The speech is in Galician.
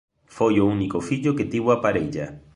Foi o único fillo que tivo a parella.